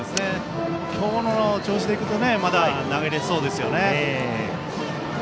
今日の調子でいくとまだ投げれそうですよね。